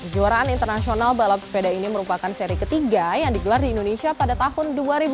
juaraan internasional balap sepeda ini merupakan seri ketiga yang digelar di indonesia pada tahun dua ribu dua puluh